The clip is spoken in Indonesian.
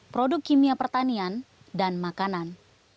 produk kimia pertanian dan makanan